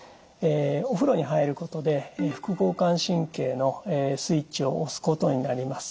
お風呂に入ることで副交感神経のスイッチを押すことになります。